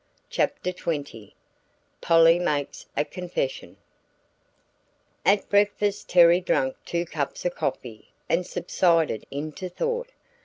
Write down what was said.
CHAPTER XX POLLY MAKES A CONFESSION At breakfast Terry drank two cups of coffee and subsided into thought.